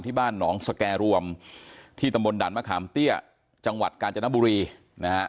ที่บ้านหนองสแก่รวมที่ตำบลด่านมะขามเตี้ยจังหวัดกาญจนบุรีนะฮะ